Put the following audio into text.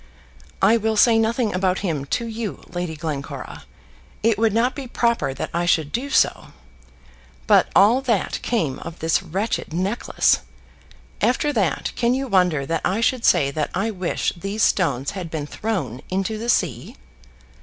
"I will say nothing about him to you, Lady Glencora. It would not be proper that I should do so. But all that came of this wretched necklace. After that, can you wonder that I should say that I wish these stones had been thrown into the sea?"